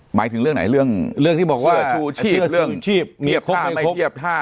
หมายถึงเรื่องไหนเรื่องเสื้อชูชีพเรื่องเทียบท่าไม่เทียบท่า